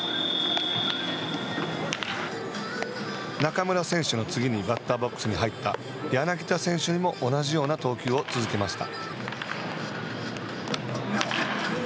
中村選手の次にバッターボックスに入った柳田選手にも同じような投球を続けました。